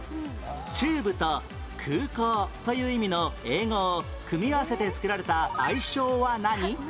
「中部」と「空港」という意味の英語を組み合わせて作られた愛称は何？